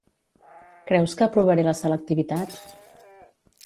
Creus que aprovaré la selectivitat?